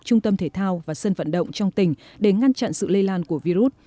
trung tâm thể thao và sân vận động trong tỉnh để ngăn chặn sự lây lan của virus